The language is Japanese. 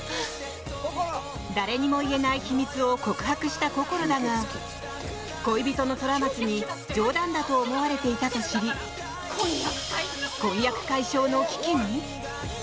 誰にも言えない秘密を告白したこころだが恋人の虎松に冗談だと思われていたと知り婚約解消の危機に？